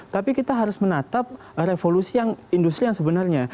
tapi kita harus menatap revolusi yang industri yang sebenarnya